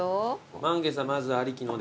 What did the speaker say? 満月はまずありきので。